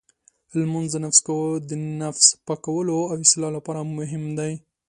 لمونځ د نفس پاکولو او اصلاح لپاره مهم دی.